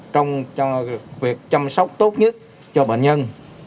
trong việc chăm sóc tốt nhất cho bệnh nhân